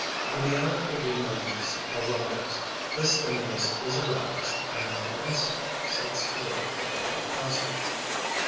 When the hour for the emergence arrives, this stimulus is aroused and the insect sets to work to bore a passage.